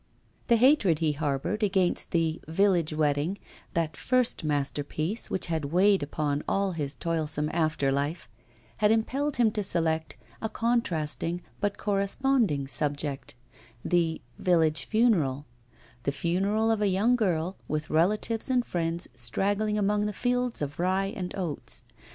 The hatred he harboured against the 'Village Wedding,' that first masterpiece which had weighed upon all his toilsome after life, had impelled him to select a contrasting but corresponding subject: the 'Village Funeral' the funeral of a young girl, with relatives and friends straggling among fields of rye and oats.